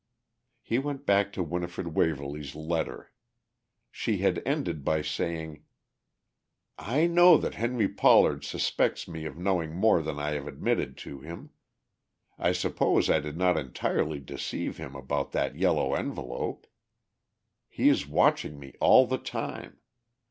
He went back to Winifred Waverly's letter. She had ended by saying, "I know that Henry Pollard suspects me of knowing more than I have admitted to him; I suppose I did not entirely deceive him about that yellow envelope. He is watching me all the time.